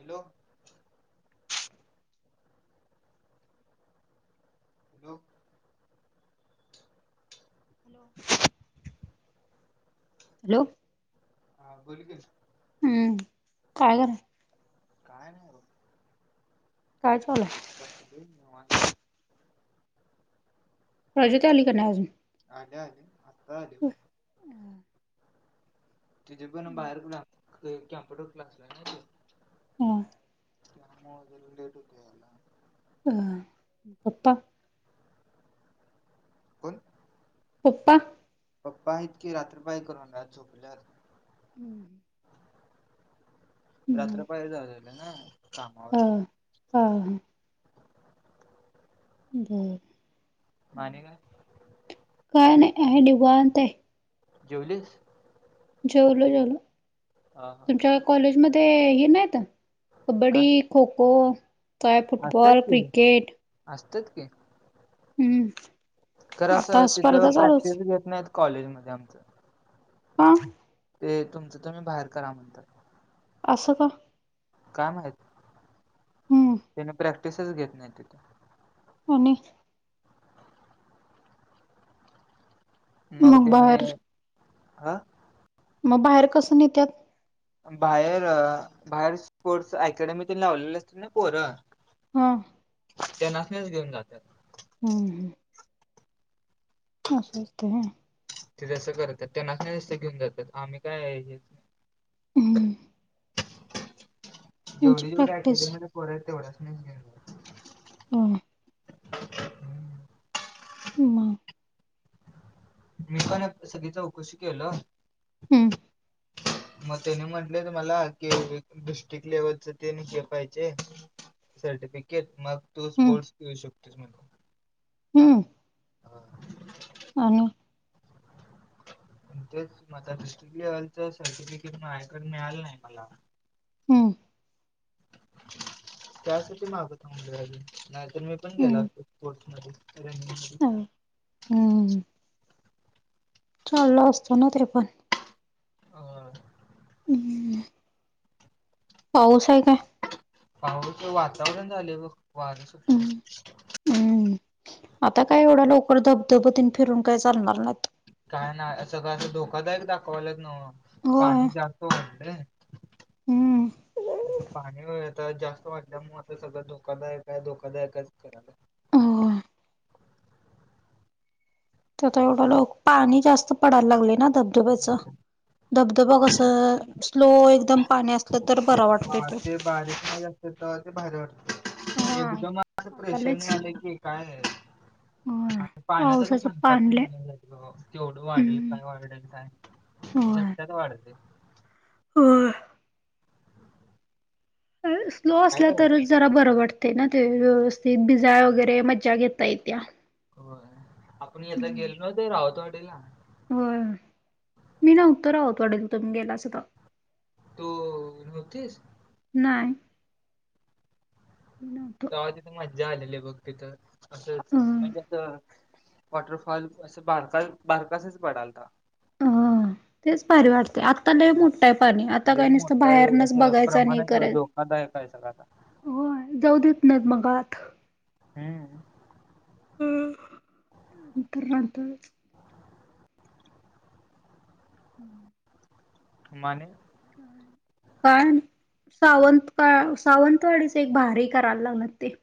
Hello. [inaudible] हो hello [unintelligible] [inaudible] hello. हा बोल [inaudible] घस हम्म. काय [inaudible] क काय नाही [inaudible] र [unintelligible] [inaudible] बस [unintelligible] [inaudible] [unintelligible] [inaudible] राजजू तेली क आजून आले. आता [inaudible] तुझे पण बाहेर [inaudible] क्ला कॅम्प्युटर क्लासला आहे ना. ह. [unintelligible] [inaudible] कामज लेट होत याला [unintelligible] [inaudible] पपापा कोण? [inaudible] पपा पप्पा आहेत की. रात्रपाय करूनना [inaudible] झोपल्यावर ह [unintelligible] [inaudible] रात्र [inaudible] पाहेर जाऊलं ना कामा ह. हा. हा ब [unintelligible] [inaudible] माने का? काय नाही आहे. [inaudible] दडुबन ते जेवलीस. जेवल जेवल हा हा तुमच्या कॉलेज मध्ये हे नाहीत. काय कबड्डी, खो [inaudible] चे असतात की क्रिकेट असतात की. हम्म तर आता असं तिचं स्पर्धा चालूच प्रॅक्टिस घेत नाहीत कॉलेजमध्येध्ये आमचं. हा. ते तुमचं तुम्ही बाहेर करा म्हण. असं का? काय माहित हम्म त्याने प्रॅक्टिसच घेत नाही तिथे. आणि मग त्याने, हा मग बाहेर कसं नेत्यात? बाहेर, बाहेर स्पोर्ट्स अकॅडमीत लावलेले असत ना पोरं हा त्यानास्नी घेऊन जातात. हम्म हम्म असं असतं व्हय. ते जसं करतात त्यांना काय जसं घेऊन जातात आम्ही काय आहे, हम्म त्यांची जेवढी जेवढी प्रॅक्टिस अकॅडमी मधले पोरं हे तेवढ्या घेऊन जातात. होय काय. हम्म हम्म मी पण आता सगळी चौकशी केलो. हम्म मग त्याने म्हटले मला कि डिस्ट्रिक्ट लेवलच तेनी के पाहिजे. सर्टिफिकेट, मग तू हम्म स्पोर्ट्स घेऊ शकतोस म्हणून हम्म हा हा आणि, तेच डिस्ट्रिक लेव्हलचा सर्टिफिकेट माझ्याकडं मिळालं नाही मला. हम्म त्यांसाठी माग थांबलोय नाहीतर मी पण घेतलो हम्म असतो. स्पोर्ट्स मध्ये रनिंग मध्ये. हम्म चाललं असताना तरी पण. आ हम्म पाऊस आहे का? पाऊस च वातावरण झाले बघ वार सुटले. हम्म हम्म आता काय एवढा लवकर धबधब तेन फिरून काय चालणार नाहीत. काय नाही सगळं असं धोकादायक दाखवालाच नव होय पाणी जास्त वाढलंय. हम्म ते पाणी वगैर आता जास्त वाढल्यामुळे आता सगळं धोकादायक आहे धोकादायकच करायला. होय आता एवढं लोक पाणी जास्त पडायला लागले ना धबधब्याचं. धबधबा कसं स्लो एकदम पाण्या असतंय हा ते बारीक मध्ये असते तर ते भारी हा वाटतं. एकदम असं आता प्रेशर लईच आलं की काय. होय आणि पाण्याचा काय पावसाचं सांगता पण पाणी लई नि तेवढं वाढेल हम्म काय वाढेल काय. होय. झटक्यात वाढते. [inaudible] स्लो काय असलं तरच करायचं जरा बरं वाटते ना ते व्यवस्थित ते भिजाया वगैरे मज्जा घेता येत्या. होय आपण एकदा हम्म. गेलो होतो रावतवाडीला. होय मी नव्हत रावतवाडी तुम्ही गेला असता. तू नव्हतीस. नाही. [inaudible] मला तिथ मज्या आलेली बघ तिथं अस अ म्हणजे. [inaudible] वॉटरफॉल असे बारका बारकासच पाडालता. हम्म तेच [unintelligible] वाटते आत. आता लई हा. मोठाय पाणी आता लय काय नुसतं मोठा आहे बाहेरनच असं बघायचं आणि प्रमाणात करायच. धोकादायक आहे सगळा आता. होय जाऊ देत नात मग आत. हम्म. अ अंथरुणातच. हम्म. माने. काय. सावंतकाळ सावंतवाडीच एक भारी करायला लावलात ते.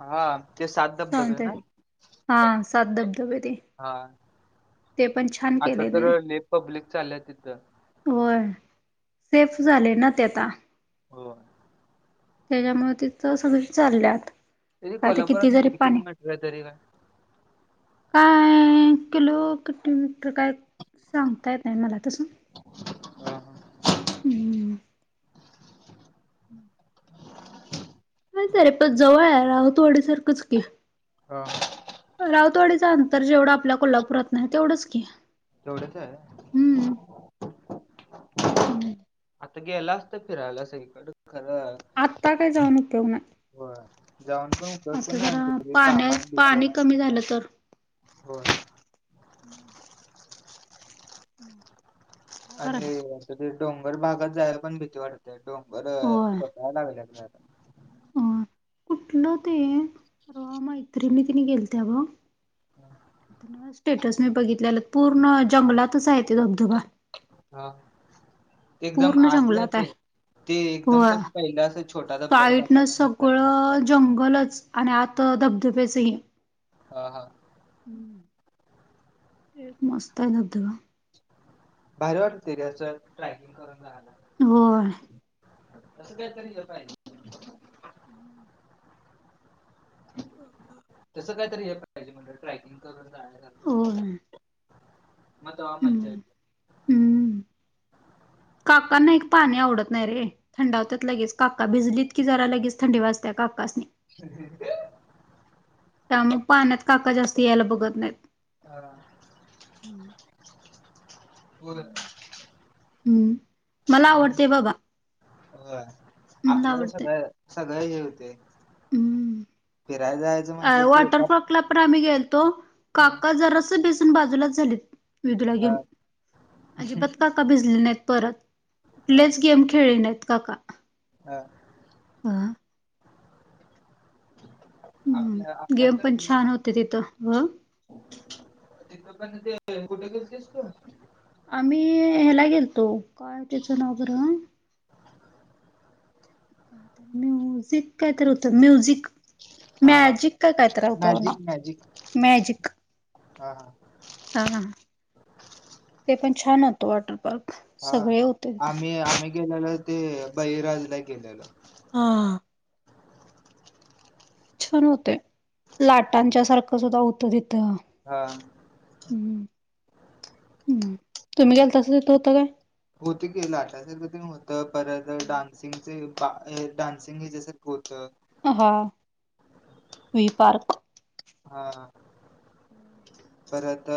हा ते सात धबधबे सावंतवाडी ना. हा सात धबधबे ते. हा ते पण छान आता केले त्याने तर [unintelligible] पब्लिक चालल्या तिथं. होय सेफ्स झाले ना ते आता. हो. त्याच्यामुळ तिथ सगळी चालल्यात. तरी काय तर कोल्हापुरातून जरी किती पाणी किलोमीटर आहे तरी. काय. [inaudible] किलो किती मीटर काय सांगता येतय मला तस. [unintelligible] हम्म. [unintelligible] हम्म तरी पण जवळ राहतवाडीसारखंच की. अ्म. रावतवाडीचं अंतर जेवढं आपल्या कोल्हापुरात नाही तेवढंच की. तेवढेच आहे. हम्म. हम्म. आता गेला असत फिरायला सगळीकड खरं. आत्ता काय जाऊन उपयोग नाही. होय जाऊन पण उपयोग आता पण नाही जरा आणखी पाण्या कामात बिझी पाणी आहेत कमी झालं तर. होय. [unintelligible] काय आणि करायच [unintelligible] ते डोंगर भागात जायला पण भीती वाटते डोंगर होय लागल्यात. आता अ कुठलं ते अ मैत्रिणी तिने गेल त्या ग. स्टेटस मी बघितलेलं पूर्ण जंगलातच आहे ते धबधबा. हा एकदम पूर्ण आतल्या जंगलात ते. आहे. ते एकदम होय. त्या पहिला अस छोटा धबधबा साईडनं [unintelligible] नंतर न मोठया. सगळं जंगलच आणि आत धबधब्याचं हे. हा हा. तिथं एक मस्त आहे धबधबा. भारी वाटतंय ते असं ट्रकिंग करून जायला. होय. तसं काहीतरी ह्या पाहिजे. [inaudible] [inaudible] तसं कायतरी हे पाहिजे म्हणजे ट्रॅकिंग करून जायाचं झालंतर. होय. मग तवा मज्जा येत हं.. काकांना एक पाणी आवडत नाही रे. थंडावतात लगेच काका भिजलीत की जरा लगेच थंडी वाजतेय काकासनी. ह. त्यामुळं पाण्यात काका जास्त यायला बघत नाहीत. हा. होय. ह.. मला आवडतय बाबा. व्हंय मला आपल्याला आवडते सगळं. सगळं हे हुतयं हम्म फिराय जायाच अ वॉटरपार्कला पण आम्ही गेलतो, हा काका जरासं भिजून बाजूलाच झालीत. विधूला घेऊन अजिबात काका भिजले नाहीत परत. कुठलेच गेम खेळले नाहीत काका. अं. हा. [unintelligible] हं.. आपल्या गेम तर पण छान होते तिथं व. तिथं पण ते कुठे गेलतीस तू?. आम्हीं हेला गेलतो काय त्याच नाव बरं. [unintelligible] कायतरी म्युझिक काय तर होतं म्युझिक. हा हा मॅजिक का काय तर होत बघ नाव मॅजिक मॅजिक मॅजिक. हा हा. हा, हां. ते पण छान होतं वॉटर पार्क. हा सगळे होते तिथं आम्ही आम्हीं गेलेलो ते बळीराजला गेलेलो. हां. छान होतंय, लाटांच्या सारखं सुद्धा होतं तिथं. हा. ह, हम्, तुम्ही गेलतासा तिथं हुतं काय.? होत की, लाटासारखं तेन होतं, परत डान्सिंगचं बा डान्सिंग हेच्यासारखं होतं. अं, हा वी पार्क. हा. [inaudible] परत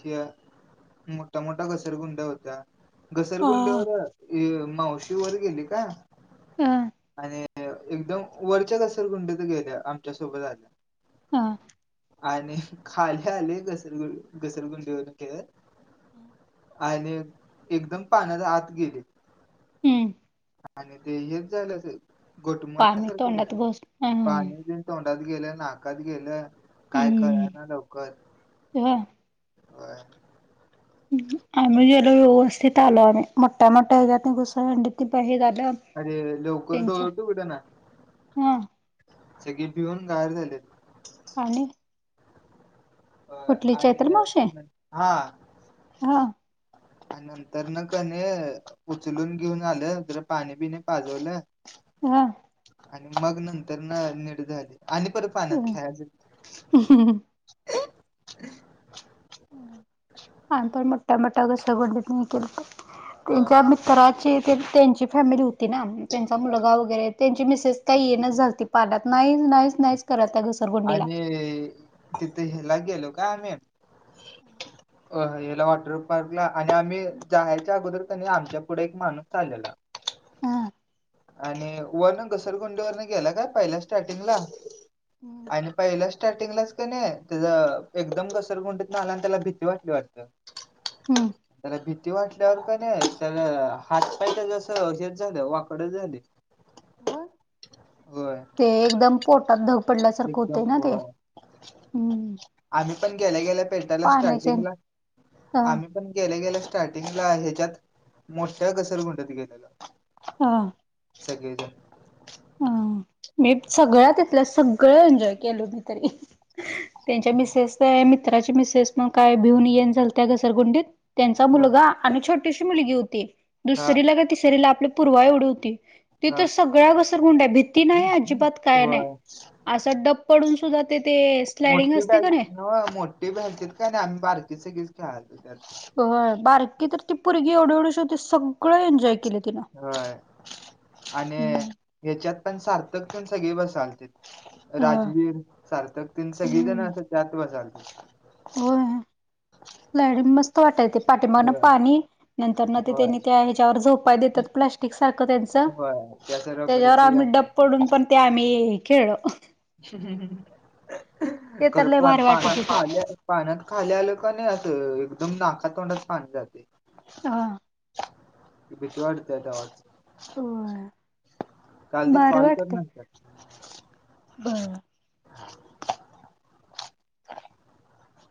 ह्य मोठा मोठ्या घसरगुंड्या होत्या. हा घसरगुंडीवर य मावशी वर गेली काय, हा. आणि एकदम वरच्या घसरगुंडीत गेल्या, आमच्यासोबत आल्या. हा. आणि खाली आले घसरगु घसरगुंडीवरून खेळत. ह. आणि एकदम पाण्याच्या आत गेली. हम्म. आणि ते हेच झालं अस पाणी घोटमळ्यासारखा तोंडात झालं. घोस हा. पाणी तोंडात गेलं नाकात गेलं काय कळना लवकर. ह. होय. आम्ही गेलो व्यवस्थित आलो आम्ही मोठ्या मोठ्या ह्याच्या घुसंडी ति बाहेर आलं. अरे लवकर त्यांच्या डोळे भी उघडना. हा सगळी भिऊन गार झालेत. आणि. कुठली चैत्र आणि मावशी हा. हा. आणि नंतर कणी उचलून घेऊन आलं जरा पाणी बिनि पाजवल. हा. आणि मग नंतर ना निट झाली. आणि परत पाण्यात खेळाय हम्म. आम्ही पण मोठ्या मोठ्या घस गुंडीतनं हे केलंत. तीन अ, चा तरराची ते त्यांची फॅमिली होती ना त्यांचा मुलगा वगैरे त्यांची मिसेस काही येण झालती. पाण्यात नाही नाहीच नाहीच कराल त्या. घसरगुंडीला आणि तिथे गेलो का आम्ही. [inaudible] अ याला वॉटर पार्कला आणि आम्ही जायच्या अगोदर कनी आमच्या पुढे एक माणूस चाललेला. हा आणि वरण घसरगुंडी वरन गेला काय पहिल्या स्टार्टिंगला. [inaudible] आणि पहिला स्टार्टिंगलाच कनी नाही त्या एकदम घसरगुंडीत आला आणि त्याला भीती वाटली वाटत. [inaudible] हम्म. भीती वाटल्यावर कनी त्याला हात पाय त्याच् असच झालं वाकडच झाले. व होय. ते एकदम पोटात धग पडल्यासारखं एकदम होते ना ते. होय हम्म आम्ही पण गेल्या गेल्या पेटायला पाण्याचे स्टार्टिंगला. ह आम्ही पण गेल्या गेल्या स्टार्टिंगला ह्याच्यात मोठ्या घसरगुंडीत गेलेलो. हा. सगळेजण. अ म सगळ्या तिथल्या सगळ एंजॉय केलोय. त्यांच्या मिसेस मी मित्राची मिसेस मग काय भिऊन येन झाल त्या घसरगुंडीत. त्यांचा ह मुलगा आणि छोटीशी मुलगी होती हा दुसरीला का तिसरीला आपली पूर्वा एवढी होती. तिथ हा सगळ्या घसरगुंड्या आहे भीती नाही अजिबात काय नाही. होय असं डब पडून सुद्धा ते ते. स्लायडिंग मोठी भ असते का नाही मोठे भ्यालतीत काय आम्ही बारकी सगळीच खेळातो त्यात. हो‌. बारकी तर ती परगी एवढे एवढे शेवती सगळं एन्जॉय केले तिनं. होय. आणि ह्याच्यात पण सार्थक तेण सगळी बसाल त होय राजवीर, सार्थक तिन सगळी जण हम्म असं त्यात बसालत. होय लाडीन मस्त वाटाय ते पाठीमागण होय पाणी नंतर न ते होय त्यांनी त्या ह्याच्यावर झोपाय देतात प्लस्टिक सारखं त्यांचं होय त्याच त्याच्यावर रबरीचं हे आम्ही डब पडून पण ते आम्ही खेळलो. [unintelligible] ते तर लय भारी वाटत पाण्यात पान होत. पाण्यात खाली आलं का नाही असं एकदम नाकातोंडात पाणी जाते. हा. भीती वाटत [unintelligible] होय काल ते भारी कॉल तर नसतात. बरं. [inaudible]